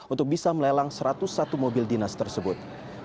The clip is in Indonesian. untuk bisa melelang satu ratus satu mobil dinas tersebut